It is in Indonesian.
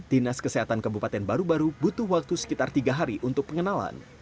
dinas kesehatan kabupaten baru baru butuh waktu sekitar tiga hari untuk pengenalan